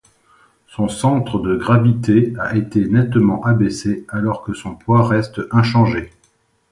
Son centre de gravité a été nettement abaissé alors que son poids reste inchangé.